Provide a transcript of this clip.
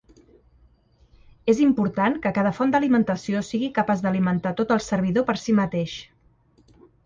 És important que cada font d'alimentació sigui capaç d'alimentar tot el servidor per si mateix.